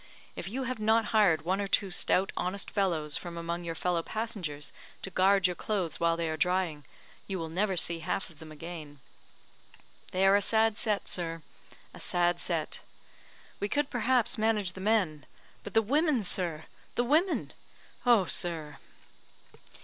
If you have not hired one or two stout, honest fellows from among your fellow passengers to guard your clothes while they are drying, you will never see half of them again. They are a sad set, sir, a sad set. We could, perhaps, manage the men; but the women, sir! the women! Oh, sir!"